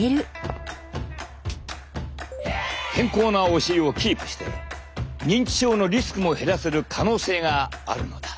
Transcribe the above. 健康なお尻をキープして認知症のリスクも減らせる可能性があるのだ。